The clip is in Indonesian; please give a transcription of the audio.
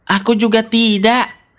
aku juga tidak